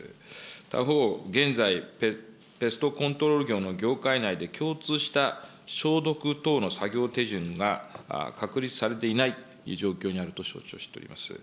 他方、現在、ペストコントロール業の業界内で共通した消毒等の作業手順が確立されていないという状況にあると承知をしております。